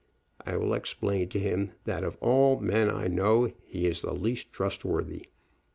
I will explain to him that, of all men I know, he is the least trustworthy.